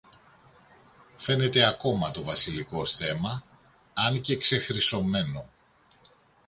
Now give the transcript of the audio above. Φαίνεται ακόμα το βασιλικό στέμμα, αν και ξεχρυσωμένο.